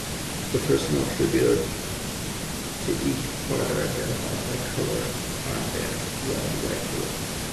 The personal attributed to each part are identified by a colour armband: red-white-blue.